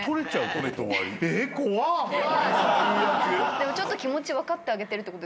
でもちょっと気持ち分かってあげてるってこと？